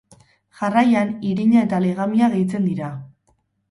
Jarraian irina eta legamia gehitzen dira.